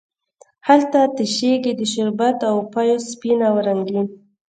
هلته تشیږې د شربت او پېو سپین او رنګین،